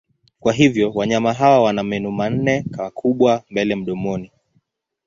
Kwa hivyo wanyama hawa wana meno manne makubwa mbele mdomoni.